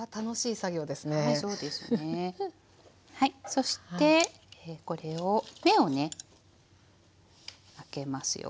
そしてこれを目をね開けますよ。